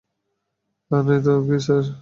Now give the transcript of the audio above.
তা নয় তো কী, স্যার?